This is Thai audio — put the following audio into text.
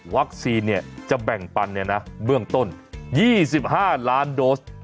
วัคซีนเนี่ยจะแบ่งปันเนี่ยนะเบื้องต้น๒๕ล้านโดส